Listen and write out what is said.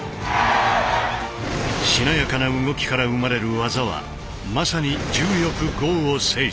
しなやかな動きから生まれる技はまさに「柔よく剛を制す」。